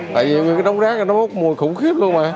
tại vì những cái đóng rác này nó mua khủng khí